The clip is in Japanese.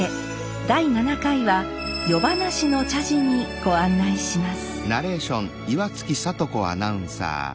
第七回は夜咄の茶事にご案内します。